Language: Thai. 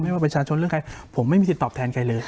ว่าประชาชนเรื่องใครผมไม่มีสิทธิตอบแทนใครเลย